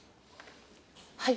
はい。